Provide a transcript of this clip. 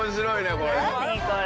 これ。